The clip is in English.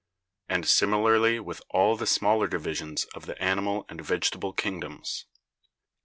And similarly with all the smaller divisions of the animal and vegetable kingdoms.